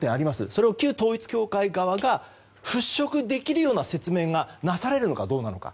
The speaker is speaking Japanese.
それを旧統一教会側が払拭できるような説明がなされるのかどうなのか。